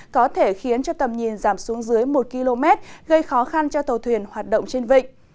có thể khiến cho tầm nhìn giảm xuống dưới một km gây khó khăn cho tàu thuyền hoạt động trên vịnh